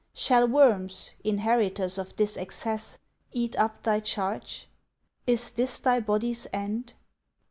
Shall worms, inheritors of this excess, Eat up thy charge? Is this thy body's end?